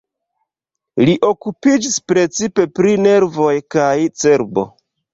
Li okupiĝis precipe pri nervoj kaj cerbo.